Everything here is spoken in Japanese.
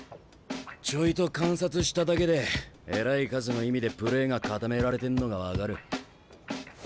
ちょいと観察しただけでえらい数の意味でプレーが固められてんのが分かる。